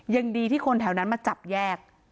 ยังดีที่คนแถวนั้นมาจับแยก